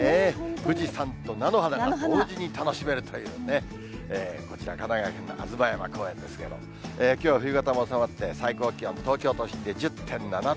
富士山と菜の花が同時に楽しめるというね、こちら、神奈川県の吾妻山公園ですけれども、きょう、冬型も収まって、最高気温、東京都心で１０．７度。